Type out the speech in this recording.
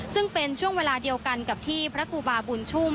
ซึ่งเป็นช่วงเวลาเดียวกันกับที่พระครูบาบุญชุ่ม